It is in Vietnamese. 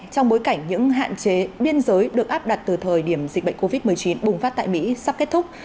trong bối cảnh những hạn chế biên giới được áp đặt từ thời điểm dịch bệnh covid một mươi chín bùng phát tại mỹ sắp kết thúc